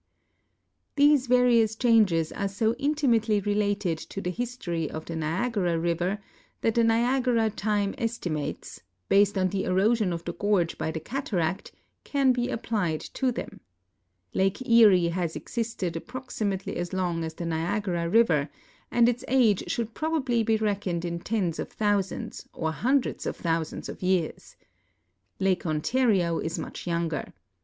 These various changes are so intimately related to the iiistt)ry of the Niagara river that the Niagara time estimates, hased on the erosion of the gorge by the cataract, can he applied to them. Lake Erie has existed api)roximately as long as the Niagara river, and its age should i)r()l)al)ly be reckoned in tens of tliou sands or hundreds of thousands of years. Lake Ontario is much younger.